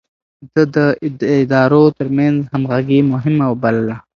ده د ادارو ترمنځ همغږي مهمه بلله.